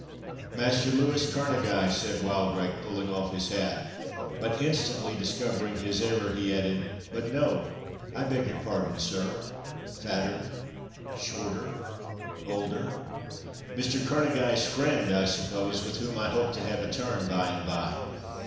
"Master Louis Kerneguy," said Wildrake, pulling off his hat; but instantly discovering his error, he added, "But no—I beg your pardon, sir—Fatter, shorter, older.—Mr. Kerneguy's friend, I suppose, with whom I hope to have a turn by and by.